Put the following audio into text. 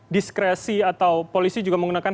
diskresi atau polisi juga menggunakan